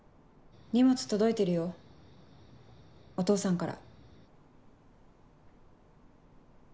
荷物届いてるよお父さんから。